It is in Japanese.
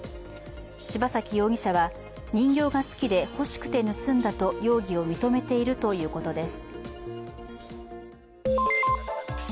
柴崎容疑者は、人形が好きで欲しくて盗んだと容疑を認めているということです。